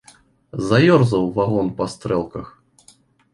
Заёрзаў вагон па стрэлках.